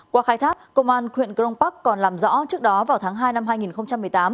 qua khai thác công an huyện crong park còn làm rõ trước đó vào tháng hai năm hai nghìn một mươi tám